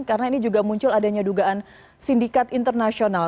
karena ini juga muncul adanya dugaan sindikat internasional